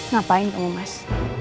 ngapain kamu mas